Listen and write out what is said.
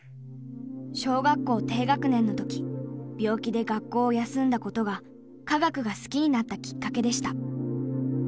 小学校低学年の時病気で学校を休んだことが科学が好きになったきっかけでした。